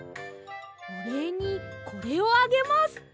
おれいにこれをあげます！